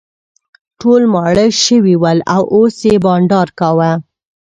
ټول ماړه شوي ول او اوس یې بانډار کاوه.